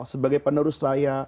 sebagai penerus saya